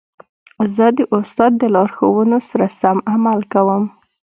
زه د استاد د لارښوونو سره سم عمل کوم.